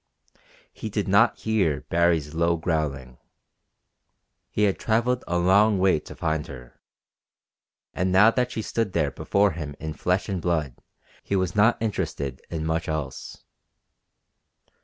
He did not hear Baree's low growling. He had travelled a long way to find her, and now that she stood there before him in flesh and blood he was not interested in much else.